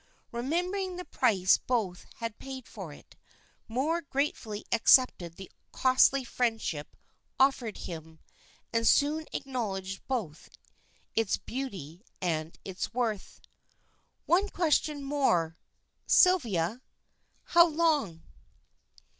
Remembering the price both had paid for it, Moor gratefully accepted the costly friendship offered him, and soon acknowledged both its beauty and its worth. "One question more; Sylvia, how long?"